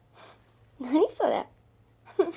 何それ？